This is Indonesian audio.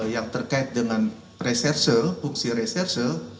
yang terkait dengan reserse fungsi reserse